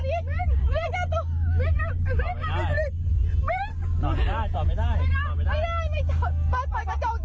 เราไม่นักจอด